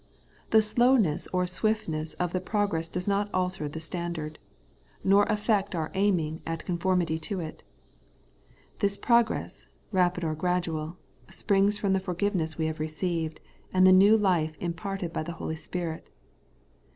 The slowness or swiftness of the progress does not alter the standard, nor affect our aiming at confoimity to it. This progress, rapid or gradual, springs from the forgiveness we have received, and the new life im parted by the Holy Spirit.